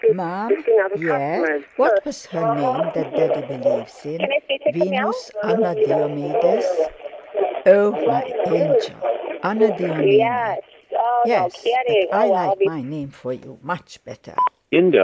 Mum?" "Yes?" "What was her name that Daddy believes in? Venus Anna Diomedes?" "Oh! my angel! Anadyomene." "Yes! but I like my name for you much better."